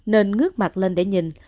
nên ngước mặt lên để nhìn